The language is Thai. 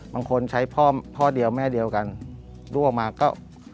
บางคนใช้พ่อเดียวแม่เดียวกันด้วยออกมาก็